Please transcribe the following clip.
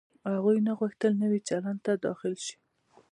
هغوی نه غوښتل نوي چلند ته داخل شي.